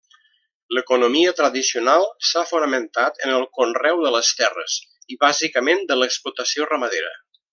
L’economia tradicional s’ha fonamentat en el conreu de les terres i bàsicament de l’explotació ramadera.